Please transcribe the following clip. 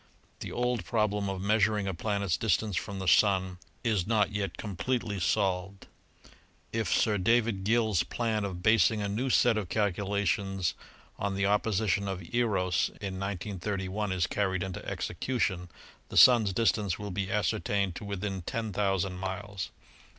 The old problem of measuring a planet's distance from the Sun its not yet completely solved. If Sir David Gill's plan of basing a new set of calculations on the opposition of Eros in 193 1 is carried into execution, the Sun's distance will be ascertained to within 10,000 miles.